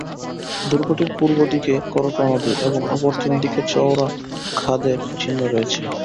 দুর্গটির পূর্বদিকে করতোয়া নদী এবং অপর তিন দিকে চওড়া খাদের চিহ্ন রয়েছে।